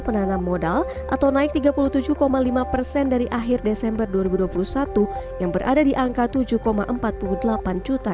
menanam modal atau naik tiga puluh tujuh lima persen dari akhir desember dua ribu dua puluh satu yang berada di angka tujuh empat puluh delapan juta